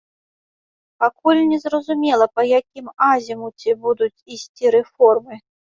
Пакуль не зразумела, па якім азімуце будуць ісці рэформы.